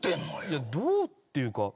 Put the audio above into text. いやどうっていうか。